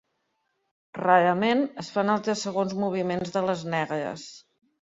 Rarament es fan altres segons moviments de les negres.